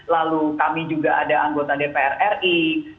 lalu kami juga ada anggota dpr ri